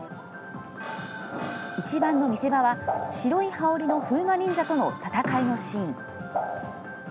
一番の見せ場は、白い羽織りの風魔忍者との戦いのシーン。